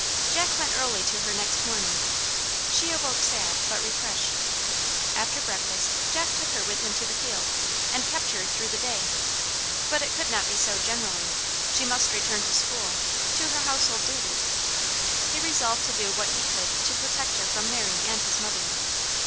Jack went early to her next morning. She awoke sad, but refreshed. After breakfast Jack took her with him to the field, and kept her through the day. But it could not be so generally. She must return to school, to her household duties. He resolved to do what he could to protect her from Mary and his mother.